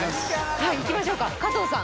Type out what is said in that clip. はいいきましょうか加藤さん